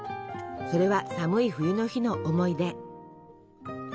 それは寒い冬の日の思い出。